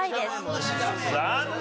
残念！